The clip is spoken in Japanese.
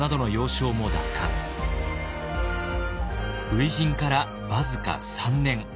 初陣から僅か３年。